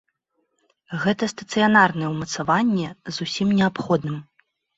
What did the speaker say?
Гэта стацыянарныя ўмацаванні з усім неабходным.